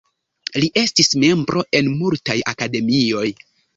Li estis membro en multaj akademioj.